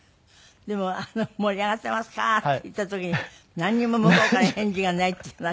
でも「盛り上がってますか」って言った時になんにも向こうから返事がないっていうのはちょっとね。